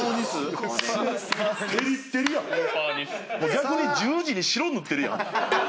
逆に十字に白塗ってるやん。